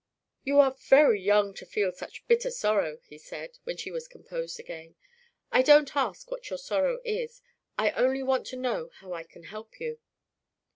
"You are very young to feel such bitter sorrow," he said, when she was composed again. "I don't ask what your sorrow is; I only want to know how I can help you."